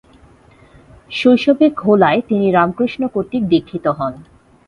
শৈশবে ঘোলায় তিনি রামকৃষ্ণ কর্তৃক দীক্ষিত হন।